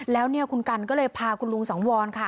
แล้วเนี่ยคุณกันก็เลยพาคุณลุงสังวรค่ะ